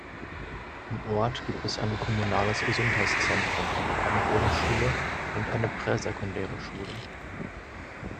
Im Ort gibt es ein kommunales Gesundheitszentrum, eine Grundschule und eine prä-sekundäre Schule.